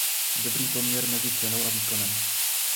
Dobrý poměr mezi cenou a výkonem.